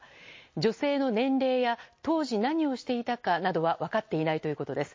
女性の年齢や当時何をしていたかなどは分かっていないということです。